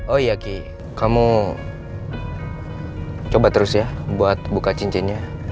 oh iya ki kamu coba terus ya buat buka cincinnya